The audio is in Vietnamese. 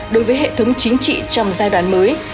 đối với hệ thống chính trị trong giai đoạn mới